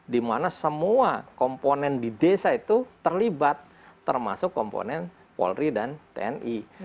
dimana semua komponen di desa itu terlibat termasuk komponen polri dan tni